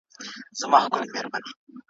د شهیدانو شمېر معلوم نه دی `